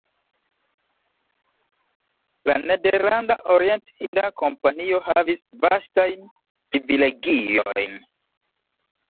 La Nederlanda Orient-hinda Kompanio havis vastajn privilegiojn.